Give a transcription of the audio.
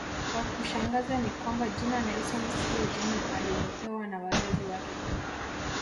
Cha kushangaza ni kwamba jina Nelson siyo jina alilopewa na Wazazi wake